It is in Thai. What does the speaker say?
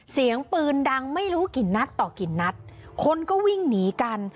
เสียงปืนดังไม่รู้กี่นัดต่อกี่นัดคนก็วิ่งหนีกัน